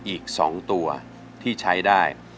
อีก๒ตัวที่ใช้ได้